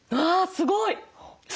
すごい。